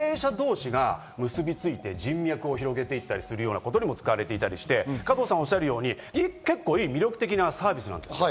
あと例えば、会社の経営者同士が結びついて人脈を広げていったりするようなことにも使われていたりして、加藤さんおっしゃるように魅力的なサービスなんです。